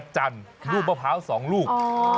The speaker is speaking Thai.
จันทร์ลูกมะพร้าว๒ลูก